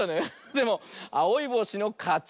でもあおいぼうしのかち。